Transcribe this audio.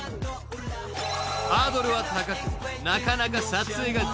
［ハードルは高くなかなか撮影ができない］